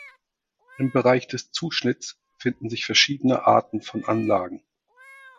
Im Bereich des Zuschnitts finden sich verschiedene Arten von Anlagen.